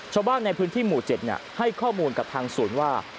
ชาวบ้านในพื้นที่หมู่๗ให้ข้อมูลกับทางศูนย์ว่า